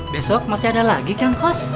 besok masih ada lagi kangkos